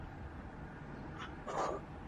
دا یو حقیقت کیدای شي.